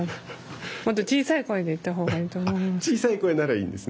もっと小さい声で言ったほうがいいと思います。